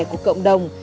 của cộng đồng